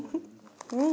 うん！